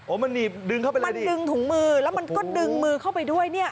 มันหนีบดึงเข้าไปเลยมันดึงถุงมือแล้วมันก็ดึงมือเข้าไปด้วยเนี่ย